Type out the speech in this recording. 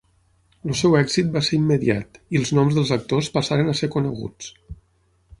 El seu èxit va ser immediat, i els noms dels actors passaren a ser coneguts.